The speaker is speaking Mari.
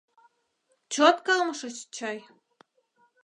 Чот кылмышыч чай?